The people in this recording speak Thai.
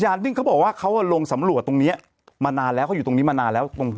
นิ่งเขาบอกว่าเขาลงสำรวจตรงนี้มานานแล้วเขาอยู่ตรงนี้มานานแล้วตรง